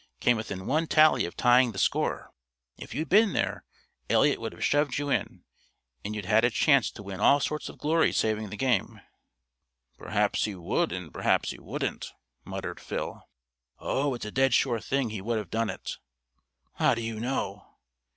Came within one tally of tying the score. If you'd been there Eliot would have shoved you in, and you'd had a chance to win all sorts of glory saving the game." "Perhaps he would, and perhaps he wouldn't," muttered Phil. "Oh, it's a dead sure thing he would have done it." "How do you know?"